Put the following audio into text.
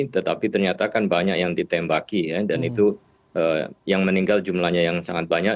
tetapi ternyata kan banyak yang ditembaki dan itu yang meninggal jumlahnya yang sangat banyak